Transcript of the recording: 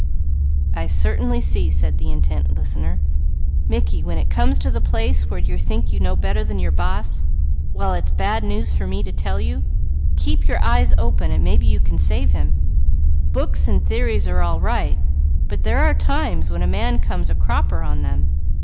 "I certainly see," said the intent listener. "Mickey, when it comes to the place where you think you know better than your boss, while it's bad business for me to tell you, keep your eye open, and maybe you can save him. Books and theories are all right, but there are times when a man comes a cropper on them.